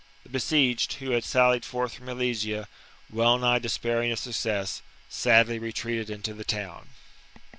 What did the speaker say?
The besieged, who had sallied forth from Alesia, wellnigh despairing of success, sadly retreated into the town.